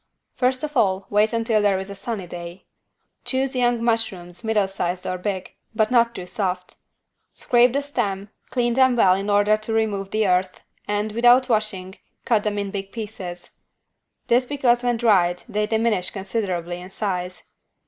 First of all wait until there is a sunny day. Choose young mushrooms middle sized or big, but not too soft. Scrape the stem, clean them well in order to remove the earth and, without washing cut them in big pieces. This because when dried they diminish considerably in size.